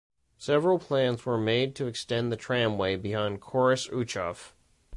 Several plans were made to extend the tramway beyond Corris Uchaf.